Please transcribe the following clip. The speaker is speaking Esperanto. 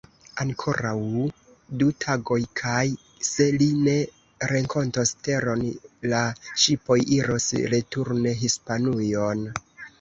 Ankoraŭ du tagoj kaj, se li ne renkontos teron, la ŝipoj iros returne Hispanujon.